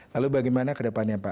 lalu bagaimana ke depannya pak